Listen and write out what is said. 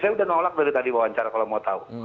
saya sudah nolak dari tadi wawancara kalau mau tahu